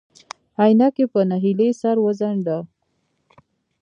عينکي په نهيلۍ سر وڅنډه.